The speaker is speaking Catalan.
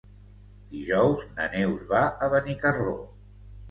Dijous na Neus va a Benicarló.